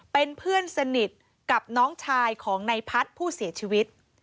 เป็นเพื่อนสนิทกับน้องชายของนายพัฒน์ผู้เสียชีวิต